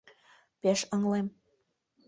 Пеш ыҥлем...